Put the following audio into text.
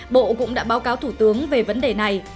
bộ cũng đã báo cáo thủ tướng về vấn đề này